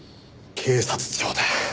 警察庁だ。